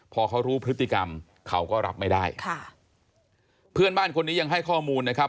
พอเขารู้พฤติกรรมเขาก็รับไม่ได้ค่ะเพื่อนบ้านคนนี้ยังให้ข้อมูลนะครับ